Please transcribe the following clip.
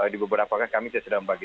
di beberapakanya kami sudah sedang bagi